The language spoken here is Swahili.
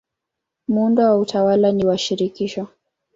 Muundo wa utawala ni wa shirikisho.